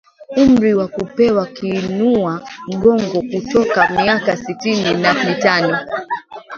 umri wa kupewa kiinua mgongo kutoka miaka sitini na mitano